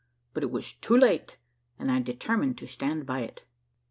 But it was too late and I determined to stand by it.